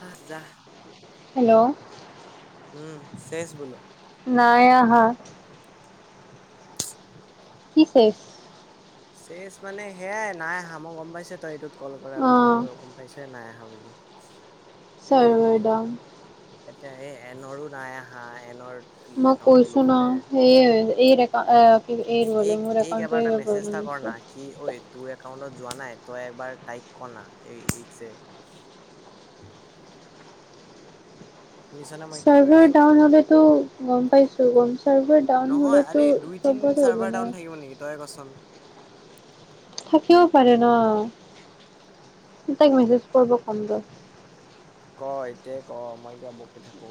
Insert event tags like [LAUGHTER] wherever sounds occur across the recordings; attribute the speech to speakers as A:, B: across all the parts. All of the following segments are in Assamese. A: হা জাহ
B: হেল্ল'
A: উম শেষ বোলো
B: নাই অহা কি শেষ
A: চেচ মানে সেয়াই নাই হামো গম পাইছে তই এইটোত কল কৰা
B: অ'
A: মই গম পাইছো নাই আহা বুলি এ
B: চাৰ্ভাৰ ডাউন।
A: এতিয়া এই এনৰো নাই আহা এনৰ
B: মই
A: একাউন্টটো
B: কৈছো ন
A: লবলে
B: সে এই কি এইৰব
A: এই
B: মোৰ
A: এইক এবাৰ তই
B: একাউণ্টটোবাৰ
A: মেছেজ এটা
B: প্ৰব্লেম
A: কৰ না
B: আছে
A: কি ঐ তোৰ একাউন্টত যোৱা নাই তই একবাৰ তাইক কৰা না এই শুনিছনে মই কি কৈ
B: চাৰ্ভাৰ
A: আছো
B: ডাউন হলেতো গম পাইছো ডাউন
A: নহয়
B: হ'লেতো
A: আৰে দুই তিনিদিন
B: চবৰে হ'ব
A: চাৰ্ভাৰ
B: ন।
A: ডাউন থাকিব নেকি তই কোছোন
B: থাকিও পাৰে ন তাইক মেছেজ কৰিব কমটো
A: ক এতিয়া ক মই কিবা বকি থাকো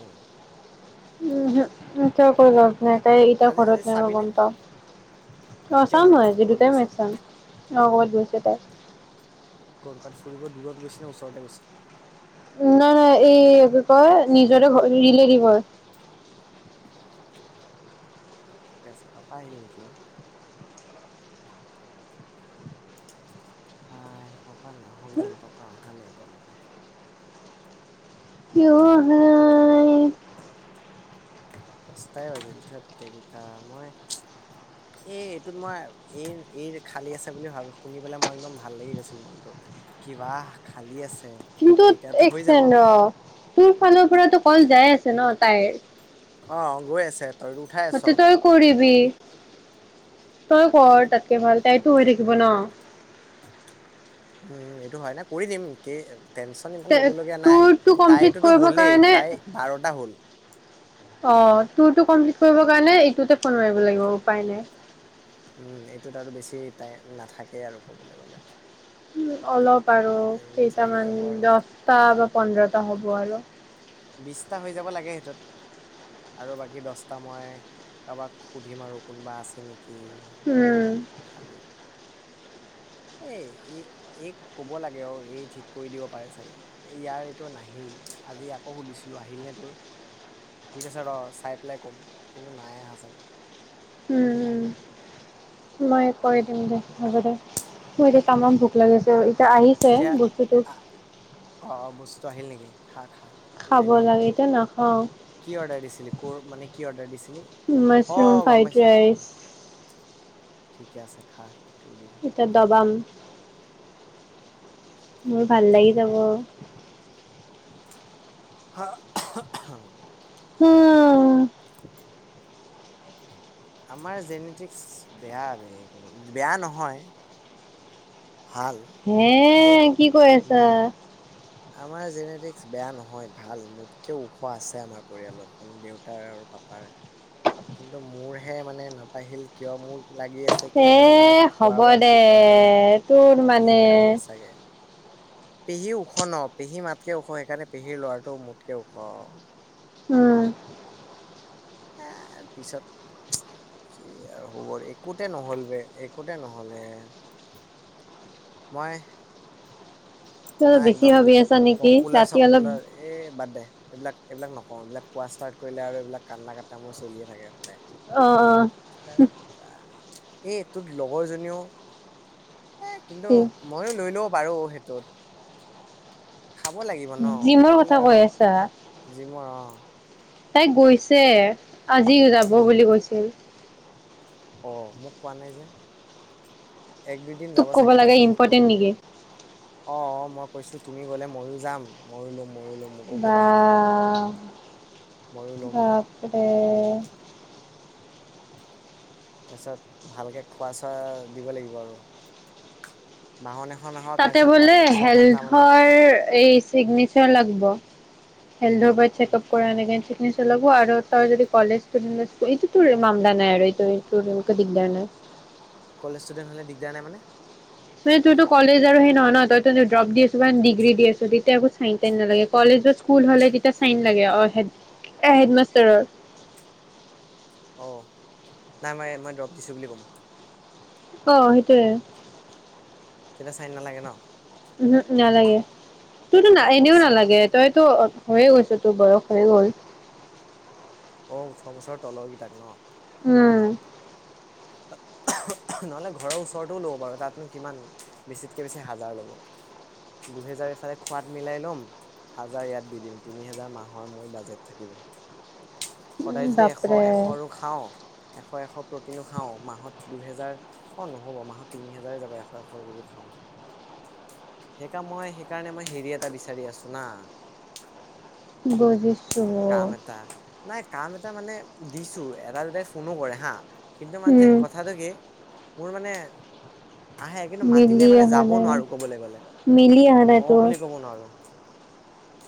B: টো কিয় কৰিব ন তাই ইয়াত
A: আজি আজি
B: ঘৰত নাই মই
A: চাবিনে
B: গম পাওঁ অ
A: কিয়
B: চাম
A: ঘৰত নাই
B: আজি
A: কৰ'বাত
B: দুটাই
A: গৈছে
B: মেছ চাম অঁ কৰবাত গৈছে তাই
A: গৰকাত ফুৰিব দূৰত গৈছে নে ওচৰতে গৈছে
B: নাই নাই এই কি কয় নিজৰে ঘ ৰিলেটিভৰ
A: ঠিকে আছে পাপা আহিল নেকি অঁ হাই পাপা না হওঁক যেন পাপা অহা নাই এতিয়ালৈকে
B: কিয় আহে
A: পাঁচটাই বাজিল ঠেট তেৰিকা মই এ এইটোত মই এই এই খালী আছে বুলি ভাবো শুনি পেলাই মই একদম ভাল লাগি গৈছিল মনটো কিবা খালী আছে
B: কিন্তু
A: এতিয়াতো
B: এক
A: হৈ যাব।
B: চেকেণ্ড ৰ' তোৰ ফোনৰ পৰাটো কল যায় আছে ন' তাইৰ।
A: অ' গৈ আছে। তইতো উঠাই আছ।
B: তাতকে তই কৰিবি তই কৰ তাতকে ভাল তাইতো হৈ থাকিব ন'।
A: উম সেইটো হয় নে কৰি দিম কে এম টেন্স আপুনি ইমান ল'ব লগীয়া নাই
B: তোৰটো কমপ্লিট
A: তাইতোতো
B: কৰিবৰ
A: হ'লেই
B: কাৰণে
A: তাই বাৰটা হ'ল
B: অ' তোৰটো কমপ্লিট কৰিব কাৰণে এইটোতে ফোন মাৰিব লাগিব উপায় নাই।
A: উম এইটোত আৰু বেছি টাইম নাথাকে আৰু ক'বলৈ গ'লে।
B: উম অলপ আৰু
A: লিমিট লাগি
B: কেইটামান
A: যাব আৰু।
B: দহটা বা পোন্ধৰটা হ'ব আৰু।
A: বিছটা হৈ যাব লাগে সেইটোত। আৰু বাকী দছটা মই কাবাক সুধিম আৰু কোনোবা আছে নেকি।
B: উম
A: গ্ৰুপত খালী এই এই এইক ক'ব লাগে অ' এই ঠিক কৰি দিব পাৰে চাগে। এ' ইয়াৰ এইটো নাহিল, আজি আকৌ সুধিছিলোঁ আহিল নে তোৰ। সি কৈছে ৰ' চাই পেলাই ক'ম, কিন্তু নাই আহা চাগে।
B: উম উম। মই কৰি দিম দে, হ'ব দে মোৰ এতিয়া টামাম ভোক লাগিছে অ' এতিয়া আহি
A: এতিয়া আহ, অ' অ' বস্তুটো আহিল নেকি খা খা। তোৰে
B: খাব
A: দিন
B: লাগে এতিয়া নাখাওঁ।
A: কি অৰ্ডাৰ দিছিলি কৰ মানে কি অৰ্ডাৰ দিছিলি
B: মাছৰুম
A: অ' গম
B: ফ্ৰাইড
A: পাইছোঁ
B: ৰাইচ
A: অ'। ঠিকে আছে খা তোৰ দিন।
B: এতিয়া ডবাম। মোৰ ভাল লাগি যাব।
A: হা' আহা আহা।
B: [UNINTELLIGIBLE]
A: আমাৰ জেনেটিক্স বেয়া বে কব বেয়া নহয়। ভাল কিন্তু
B: হে' কি কৈ আছা?
A: উম। আমাৰ জেনেটিক্স বেয়া নহয় ভাল, মোতকেও ওখ আছে আমাৰ পৰিয়ালত মানে দেউ তাৰ আৰু পাপাৰ কিন্তু মোৰহে মানে নাপাহিল কিয় মোৰ লাগি আছে কি
B: এ
A: মই মানে
B: হ'ব
A: খোৱা বোৱাত
B: দে
A: ঠিক নহ'ল না
B: তোৰ মানে
A: সেইকাৰণে চাগে। পেহী ওখ ন' পেহী মাতকে ওখ সেইকাৰণে পেহীৰ ল'ৰাটো মোতকে ওখ।
B: উম
A: হা পিছত [UNINTELLIGIBLE] কি আৰু খবৰ একোতে নহ'ল বে একোতে নহ'লে। মই
B: তই
A: না
B: বেছি
A: একদম
B: ভাবি আছা নেকি
A: পপুলাৰ
B: ৰাতি অলপ
A: চপুলাৰ এই বাদ দে। এইবিলাক এইবিলাক নকওঁ এইবিলাক কোৱা ষ্টাৰ্ট কৰিলে আৰু এইবিলাক কান্দ কাটা মোৰ চলিয়ে থাকে সদায়।
B: অ' অ'।
A: এই তোৰ লগৰজনীও এই কিন্তু ময়ো লৈ ল'ব পাৰোঁ সেইটোত। খাব লাগিব ন'
B: জিমৰ কথা
A: খাবলৈ আৰু
B: কৈ আছা
A: জিমৰ অ'
B: তাই গৈছে আজি যাব বুলি কৈছিল।
A: অ' মোক কোৱা নাই যে এক দুই দিন
B: তোক
A: যাব
B: ক'ব
A: চাগে
B: লাগে
A: তাৰপিছত ক'ব
B: ইম্পৰ্টেণ্ট
A: নেকি। অ' অ' মই কৈছোঁ তুমি গ'লে ময়ো যাম ময়ো লম ময়ো লম। মোকো কবা
B: বাহ,
A: ময়ো লম
B: বাপৰে।
A: তাৰ পিছত ভালকে খোৱা চোৱা দিব লাগিব আৰু। বাহন এখন আঁহ
B: তাতে বোলে হেল্থৰ এই চিগনি চে লাগব। হেল্থৰ পৰা চেকাপ কৰা এনেকে লাগে। নি চলাব, আৰু তই যদি কলেজ ষ্টুডেণ্ট আছিলি এইটো তোৰ মামলা নাই আৰু এইটো এইটো তোৰ একো দিগদাৰ নাই।
A: কলেজ ষ্টুেডেণ্ট হ'লে দিগদাৰ নাই মানে?
B: মানে তইতো কলেজ আৰু সেই নহয় ন, তইতো ড্ৰপ দি আছ বা ডিগ্ৰী দি আছ, তেতিয়া একো চাই টাইন নালাগে। কলেজ বা স্কুল হ'লে তেতিয়া চাইন লাগে অ' হে হেডমাষ্টাৰৰ।
A: অ' নাই মই ইয়াত ড্ৰপ দিছো বুলি ক'ম।
B: অ' সেইটোৱে।
A: তেতিয়া চাইন নালাগে ন?
B: উ'হু' নালাগে। তোৰতো
A: সিহঁতক
B: এনেও
A: পইচা
B: নালাগে। তইতো হৈয়ে গৈছে তোৰ বয়স হৈয়ে গ'ল।
A: অ' ওঠৰ বছৰ তলৰ কেইটাক ন?
B: উম।
A: নহ'লে ঘৰৰ ওচৰতও ল'ব পাৰ, তাতনো কিমান বেছিতকে বেছি হাজাৰ ল'ব। দুহেজাৰ এইফালে খোৱাদ মিলাই ল'ম হাজাৰ ইয়াত দি দিম। তিনি হোজাৰ মাহৰ মোৰ বাজেট থাকিব। সদায় যদি এশ
B: বাপৰে
A: এশ ৰো খাওঁ এশ এশ প্ৰটিনো খাওঁ মাহত দুহেজাৰ অ' নহ'ব মাহত তিনি হাজাৰেই যাব এশ এশ যদি খাওঁ। সেইকাম মই সেইকাৰণে মই হেৰি এটা বিচাৰি আছো না।
B: বুজিছো।
A: কাম এটা, নাই কাম এটা মানে দিছো। এটা দুটাই ফোনো কৰে হা' কিন্তু মানে
B: উম।
A: কথাটো কি, মোৰ মানে আহে কিন্তু মাতিলে
B: মিলি
A: মানে
B: অহা
A: যাব
B: নাই
A: নোৱাৰো, ক'বলৈ গ'লে
B: মিলি অহা নাই
A: অ'
B: তোৰ
A: বুলি কব নোৱাৰো।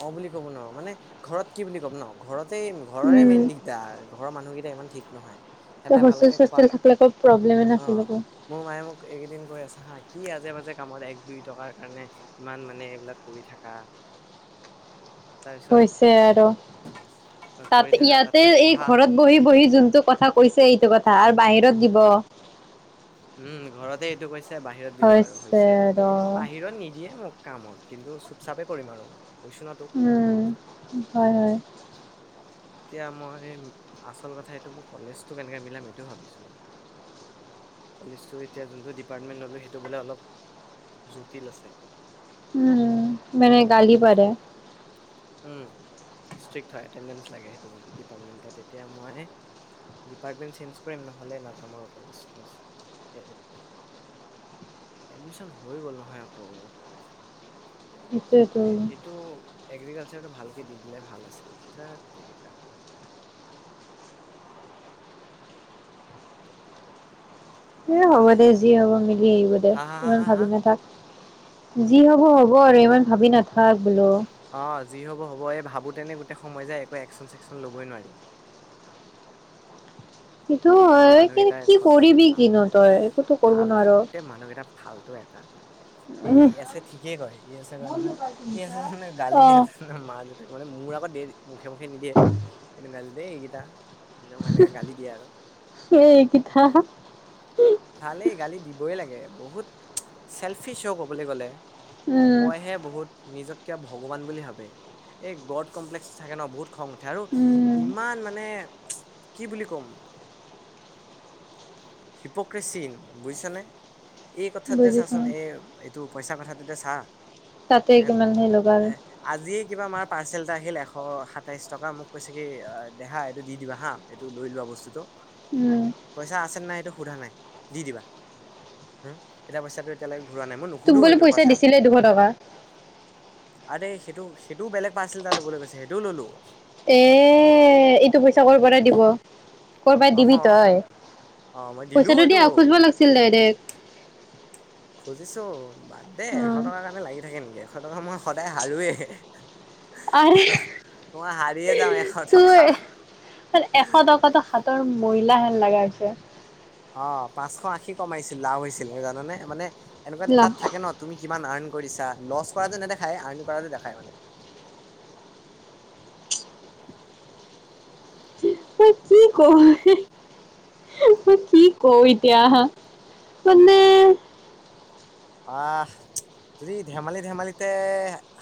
A: অ' বুলি ক'ব নোৱাৰো। মানে ঘৰত কি বুলি ক'ম ন ঘৰতে ঘৰৰে
B: উম
A: মেইন দিগদাৰ। ঘৰৰ মানুহকেইটা ইমান ঠিক নহয়।
B: তই
A: সিহঁতে
B: হোষ্টেলে
A: ভালকে খোৱা
B: টোষ্টেলে থাকিলে একো প্ৰব্লেমে
A: অ
B: নাছিলে আকৌ।
A: মোৰ মায়ে মোক এইকেইদিন কৈ আছে হা', কি আজে বাজে কামত এক দুই টকাৰ কাৰণে ইমান মানে এইবিলাক কৰি থাকা।
B: [INAUDIBLE]
A: তাৰপিছত
B: হৈছে আৰু,
A: কৰি
B: তাত
A: থাকা
B: ইয়াতে
A: তাতকে
B: এই
A: পঢ়া
B: ঘৰত বহি বহি যোনটো কথা কৈছে এইটো কথা, আৰু বাহিৰত দিব।
A: উম, ঘৰতে এইটো কৈছে বাহিৰত দিব আৰু হৈছে, বাহিৰত নিদিয়ে মোক কামত। কিন্তু চুপ চাপে কৰিম আৰু মই, কৈছো ন তোক।
B: উম, হয় হয়।
A: এতিয়া মই আচল কথা এইটো মই কলেজটো কেনেকে মিলাম এইটো ভাবিছো। কলেজটো এতিয়া যোনটো ডিপাৰ্টমেণ্ট ল'লো সেইটো বোলে অলপ জটিল আছে।
B: উম, মানে গালি পাৰে‌।
A: উম, ষ্ট্ৰিক হয় এটেণ্ডেন্স লাগে সেইটো ডিপাৰ্টমেন্ট, তেতিয়া মই ডিপাৰ্টমেণ্ট চেঞ্জ কৰিম নহ'লে নাযাম আৰু কলেজ চলেজ। এডমিশ্যন হৈ গ'ল নহয় আকৌ।
B: সেইটোৱেতো
A: এইটো এগ্ৰিকাল চাৰটো ভালকে দি দিলে ভাল আছিল, থেৎ তেৰিকা।
B: এ
A: হা
B: হ'ব দে যি হ'ব মিলি আহিব দে
A: হা হা হা
B: ইমান
A: হা হা
B: ভাবি নাথাক। যি হ'ব হ'ব আৰু, ইমান ভাবি নাথাক বোলো।
A: অহ' যি হব হ'ব এই ভাবোঁ তেনে গোটেই সময় যায়, একো একচন চেকচন ল'বই নোৱাৰিম।
B: সেইটো
A: ঘৰৰ
B: হয় কিন্তু
A: মানুহকেইটাৰ
B: কি
A: সতে
B: কৰিবি
A: লাভ
B: কি
A: নাই
B: নকৰিবি একোতো কৰিব
A: ফাল্টু
B: নোৱাৰো।
A: গোটেই মানুহকেইটা ফালতটো এটা এটা। সেই
B: উম
A: এচেট ঠিকেই কয় ই আছে কয় নহয়। এজনে গালি দি
B: অ',
A: আছে না মালিক। মানে মোৰ আকৌ দেই মুখে মুখে নিদিয়ে। কিন্তু গালি দিয়ে দেই এইকেইটা। নহয়নে এনেকে গালি দিয়ে আৰু।
B: সেই এই পিঠাখন।
A: ভালেই গালি দিবই লাগে বহুত চেল্ফিচ ক'বলৈ গ'লে
B: উম,
A: কয় হে বহুত নিজককে ভগৱান বুলি ভাবে।। এই গড কমপ্লেক্স থাকে ন বহুত খং উঠে। আৰু
B: উম,
A: ইমান মানে কি বুলি ক'ম? হিপক্ৰেচিন বুজিছানে? এই কথাত যে
B: বুজিছো।
A: চাচোন এই এইটো পইচা কথাটোতে চা।
B: তাতে
A: হে
B: কিমান সেই [UNINTELLIGIBLE] ল'বা।
A: এ আজিয়ে কিবা মাৰ পাৰ্চেল এটা আহিল এশ সাতাইশ টকা, মোক কৈছে কি দেহা এইটো দি দিবা হা। এইটো লৈ লোৱা বস্তুতটো।
B: উম [UNINTELLIGIBLE]
A: পইচা আছে নে নাই এইটো সোধা নাই দি দিবা হো এতিয়া পইচাটো এতিয়ালৈকে ঘূৰা নাই মই
B: তোক
A: নুসোধো
B: বোলে
A: সেইটো পইচা।
B: দিছিলে দুশ টকা।
A: আৰে সেইটো সেইটোও বেলেগ পাৰ্চেল এটা ল'বলৈ কৈছে সেইটোও ললো।
B: এহ, এইটো পইচা কৰ'পৰা দিব? ক'ৰ পৰা
A: অ
B: দিবি তই?
A: অ মই দিলো
B: পইচাটো
A: এইটো
B: দিয়া খুজিবা। লাগিছিল দাইৰেক্ট।
A: খুজিছোঁ বাদ দে এশ
B: উম,
A: টকাৰ কাৰণে লাগি থাকে নেকি? এশ টকাৰ কাৰণে মই সদায় হাৰোৱেই।
B: আৰে
A: হে হে মই হাৰিয়ে যাওঁ এশ
B: তোৰ
A: টকা।
B: এশ টকাতো হাতৰ ময়লা হেন লগা হৈছে।
A: অহ' পাঁচশ আশী কমাইছিল লাভ হৈছিল মোৰ জানানে? মানে এনেকুৱা তাত থাকে ন। তুমি কিমান আৰ্ণ কৰিছা? লছ কৰাটো নেদেখায় আৰ্ণ কৰাটো দেখায় মানে- উ [INAUDIBLE]
B: [UNINTELLIGIBLE] মই কি কও এতিয়া মানে?
A: আহ। যদি ধেমালি ধেমালিতে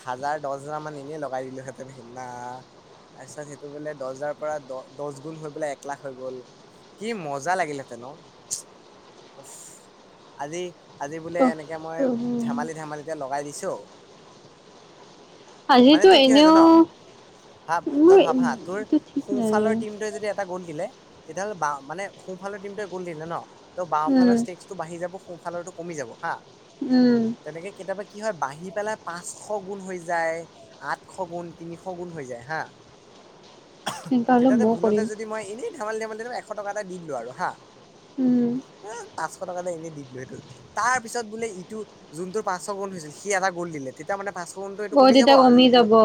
A: হাজাৰ দহ হাজাৰ মান এনেই লগাই দিলোহেঁতেন সিদিনা তাৰপিছত সেইটো বোলে দহ হাজাৰ পৰা দহ দহ গুণ হৈ বোলে এক লাখ হৈ গ'ল। কি মজা লাগিলে হেঁতেন উহ্ আজি আজি বোলে
B: অ',
A: এনেকে এতিয়া মই ধেমালি ধেমালিতে লগাই দিছোঁ মানে
B: আজিতো
A: তোৰ কি হৈ হৈছে জানা
B: এনেও
A: ভাব
B: মোৰ
A: তই ভাব হা তোৰ
B: এইটো ঠিক নাই
A: সোফালৰ টিমটোৱে যদি এটা গ'ল দিলে তেতিয়া হ'লে বা মানে সোফালৰ টিমটোৱে গ'ল দিলে ন ত
B: উম
A: বাওঁফালৰ ষ্টেক টো বাঢ়ি যাব সোঁফালৰটো কমি যাব হা
B: উম'।
A: তেনেকে কেতিয়াবা কি হয় বাঢ়ি পেলাই পাঁচশ গুণ হৈ যায়। আঠশ গুণ তিনিশ গুণ হৈ যায় হা
B: [INAUDIBLE] হ'লে
A: তেতিয়াতে
B: ময়ো
A: ভুলতে
B: কৰিম
A: যদি মই এনেই ধেমালি ধেমালি এশ টকা এটা দি দিলোঁ আৰু হাঁ
B: উম
A: এহ-পাঁচশ টকালৈ এনেই দি দিলোঁ সেইটো তাৰ পিছত বোলে- ইটো যোনটো পাঁচশ গুণ হৈছিল সি এটা গোল দিলে তেতিয়া মানে পাঁচশ গুণটো এইটো
B: অ
A: কমি যাব
B: তেতিয়া
A: আৰু
B: যাব অ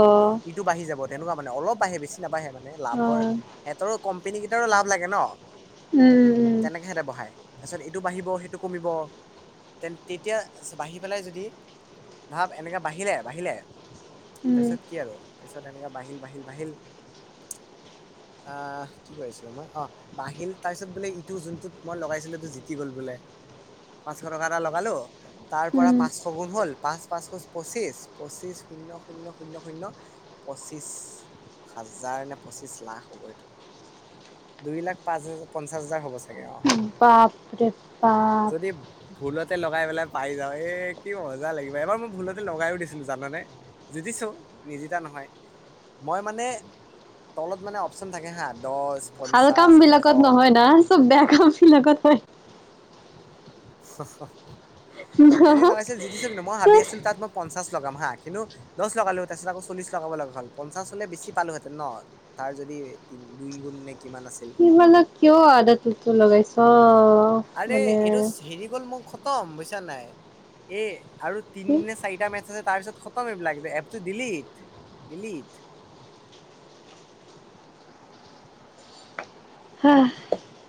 A: ইটো বাঢ়ি যাব তেনেকুৱা মানে অলপ বাঢ়ে বেছি নাবাঢ়ে মানে লাভৰ
B: উম
A: সেতৰো কোম্পেনী কেইটাৰো লাভ লাগে ন'?
B: উম
A: তেনেকৈ সেতে বঢ়ায়, তাৰপিছত এইটো বাঢ়িব সেইটো কমিব তেন তেতিয়া বাঢ়ি পেলাই যদি ভাৱ এনেকে বাঢ়িলে বাঢ়িলে
B: উম
A: তাৰপিছত কি আৰু তাৰপিছত এনেকে বাহিল বাহিল বাহিল।
B: [INAUDIBLE]
A: আহ কি কৰিছিলো মই অ'। বাহিল তাৰপিছত বোলে ইটো যোনটোত মই লগাইছিলো এইটো জিটি গ'ল বোলে। পাঁচশ টকা এটা লগালো তাৰ পৰা পাঁচশ গুণ হ'ল, পাঁচ পাঁচশ পঁচিছ পঁচিছ শূন্য শূন্য শূন্য শূন্য পঁচিছ হাজাৰ নে পঁচিছ লাখ হ'ব এইটো? দুই লাখ পাঁচ হাজাৰ পঞ্চাশ হাজাৰ হ'ব চাগে অ'।
B: বাপৰে বাপ।
A: যদি ভুলতে লগাই পেলাই পাই যাওঁ এ কি মজা লাগিব। এবাৰ মই ভুলতে লগাইও দিছিলো জানানে? জিটিছো, নিজিতা নহয়। মই মানে, তলত মানে অপচন থাকে হা দশ
B: ভাল কাম বিলাকত নহয় না চব বেয়া কাম বিলাকত হয়। না।
A: এনেই লগাইছিল [UNINTELLIGIBLE] মই ভাবি
B: তই
A: আছিলো তাত মই পঞ্চাশ লগাম হা, কিন্তু দশ লগালো তাৰপিছত আকৌ চল্লিছ লগাব লগা হ'ল, পঞ্চাছ হ'লে বেছি পালো হেঁতেন ন'। তাৰ যদি তিন দুই গুণ নে কিমান আছিল।
B: তই মানে কিয় আদাতটো লগাইছ?
A: আৰে
B: মানে
A: এইটো চ হেৰি গ'ল মোৰ খতম বুইছা নাই? এ আৰু তিনি নে চাৰিটা মেচ আছে তাৰপিছত খতম এইবিলাক, এপটো ডিলিট। ডিলিট।
B: আহ